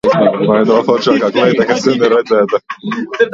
Vai nav foršākā kleita, kas vien ir redzēta?